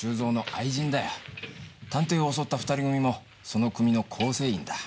探偵を襲った２人組もその組の構成員だ。